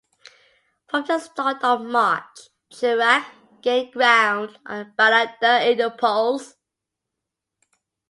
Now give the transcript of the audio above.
From the start of March, Chirac gained ground on Balladur in the polls.